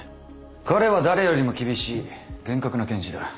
彼は誰よりも厳しい厳格な検事だ。